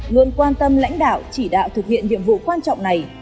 luôn quan tâm lãnh đạo chỉ đạo thực hiện nhiệm vụ quan trọng này